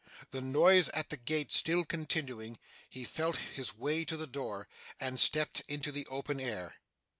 The noise at the gate still continuing, he felt his way to the door, and stepped into the open air.